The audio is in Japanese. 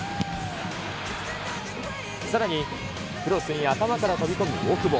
さらに、クロスに頭から飛び込む大久保。